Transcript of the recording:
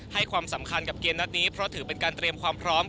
ให้ความสำคัญกับเกมนัดนี้เพราะถือเป็นการเตรียมความพร้อม